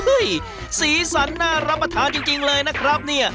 สีสันน่ารับประทานจริงเลยนะครับเนี่ย